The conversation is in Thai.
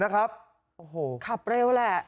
ขับเร็วแหละ